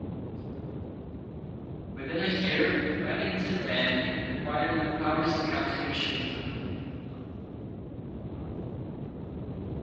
Within a year Remington Rand acquired the Powers Accounting Machine Company.